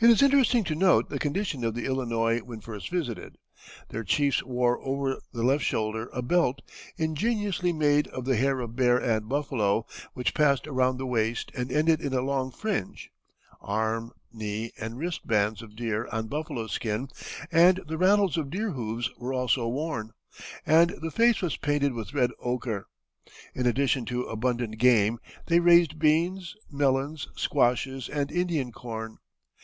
It is interesting to note the condition of the Illinois when first visited. Their chiefs wore over the left shoulder a belt, ingeniously made of the hair of bear and buffalo, which passed around the waist and ended in a long fringe; arm, knee, and wrist bands of deer or buffalo skin, and the rattles of deer hoofs were also worn, and the face was painted with red ochre. In addition to abundant game, they raised beans, melons, squashes, and Indian corn.